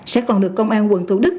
sẽ còn được công an quận thủ đức